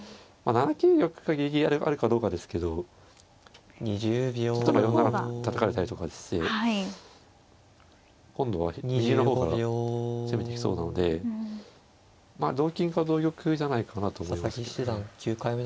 ７九玉がギリギリあるかどうかですけど４七歩たたかれたりとかして今度は右の方から攻めてきそうなのでまあ同金か同玉じゃないかなと思いますけどね。